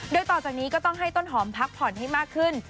โดยต่อจากนี้ก็ต้องให้ต้นหอมพักผ่อนให้มากขึ้น